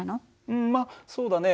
うんまあそうだね。